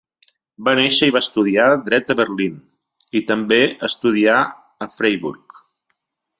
Va néixer i va estudiar dret a Berlín, i també estudiar a Freiburg.